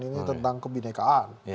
ini tentang kebinekaan